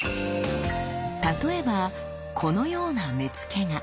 例えばこのような目付が！